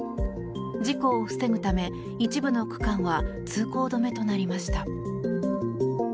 事故を防ぐため、一部の区間は通行止めとなりました。